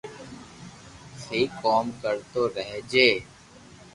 سھي ڪوم ڪرتو رھجي